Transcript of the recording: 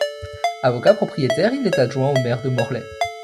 Avocat, propriétaire, il est adjoint au maire de Morlaix.